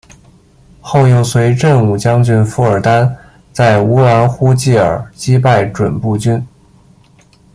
后又随振武将军傅尔丹在乌兰呼济尔击败准部军。